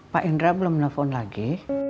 pak indra belum telepon lagi